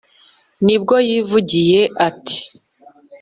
nibwo yivugiye ati